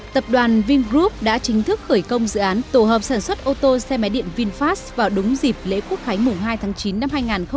tập đoàn vingroup đã chính thức khởi công dự án tổ hợp sản xuất ô tô xe máy điện vinfast vào đúng dịp lễ quốc khánh mùng hai tháng chín năm hai nghìn hai mươi ba